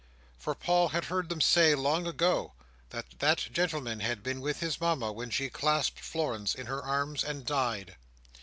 For Paul had heard them say long ago, that that gentleman had been with his Mama when she clasped Florence in her arms, and died.